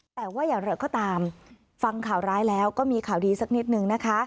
แต่ว่าอย่างไรก็ตามฟังข่าวร้ายแล้วก็มีข่าวดีสักนิดนึงนะคะ